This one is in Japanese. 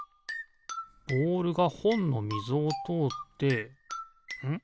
ボールがほんのみぞをとおってんっ？